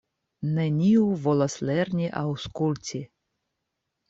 Neniu volas lerni aŭskulti.